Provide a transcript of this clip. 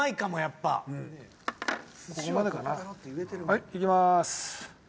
はいいきます。